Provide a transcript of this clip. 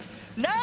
何？